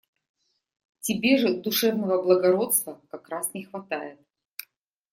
Тебе же душевного благородства как раз не хватает.